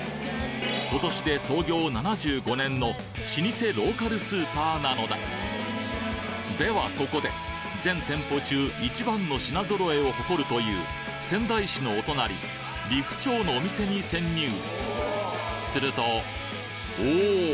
今年で創業７５年の老舗ローカルスーパーなのだではここで全店舗中一番の品揃えを誇るという仙台市のお隣利府町のお店に潜入するとおぉ！